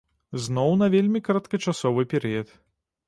Зноў на вельмі кароткачасовы перыяд.